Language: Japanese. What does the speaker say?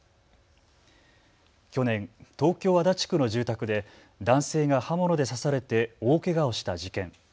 去年、東京足立区の住宅で男性が刃物で刺されて大けがをした事件。